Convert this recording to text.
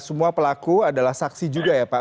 semua pelaku adalah saksi juga ya pak